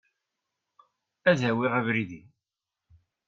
Ad awiɣ abrid-iw.